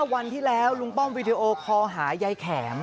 วันที่แล้วลุงป้อมวิดีโอคอหายายแข็ม